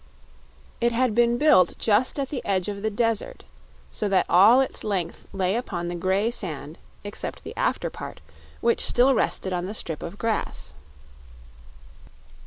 It had been built just at the edge of the desert, so that all its length lay upon the gray sand except the after part, which still rested on the strip of grass.